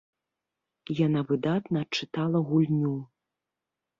Яна выдатна чытала гульню.